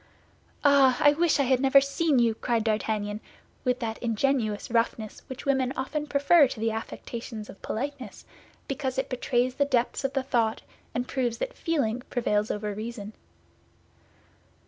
"Ah! I wish I had never seen you!" cried D'Artagnan, with that ingenuous roughness which women often prefer to the affectations of politeness, because it betrays the depths of the thought and proves that feeling prevails over reason.